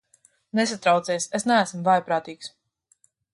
Nesatraucieties, es neesmu vājprātīgs.